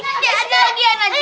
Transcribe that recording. udah nganggur aja lagi ya najwa